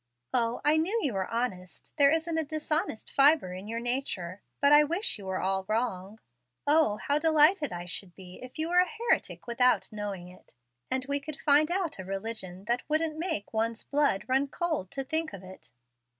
"O, I knew you were honest. There isn't a dishonest fibre in your nature; but I wish you were all wrong. O, how delighted I should be if you were a heretic without knowing it, and we could find out a religion that wouldn't make one's blood run cold to think of it!"